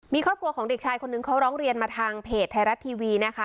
มีครอบครัวของเด็กชายคนนึงเขาร้องเรียนมาทางเพจไทยรัฐทีวีนะคะ